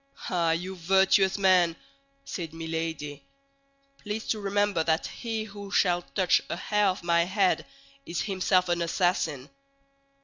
"Ah, you virtuous men!" said Milady; "please to remember that he who shall touch a hair of my head is himself an assassin."